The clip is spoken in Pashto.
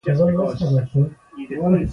د نس مړولو لپاره هره روا کوي.